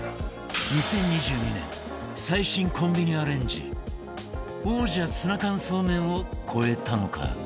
２０２２年最新コンビニアレンジ王者ツナ缶そうめんを超えたのか？